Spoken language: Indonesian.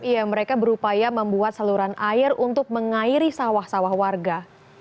ya mereka berupaya membuat saluran air untuk mengairi sawah sawah warga